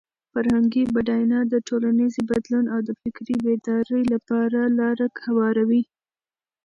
فرهنګي بډاینه د ټولنیز بدلون او د فکري بیدارۍ لپاره لاره هواروي.